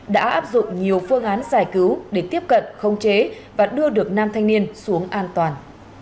đã áp dụng nhiều phương án giải cứu để tiếp cận không chế và đưa được nam thanh niên xuống an toàn